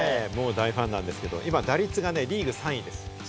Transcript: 大ファンなんですけど、今打率がリーグ３位です。